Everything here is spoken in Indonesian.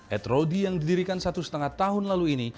adrodi yang didirikan satu setengah tahun lalu ini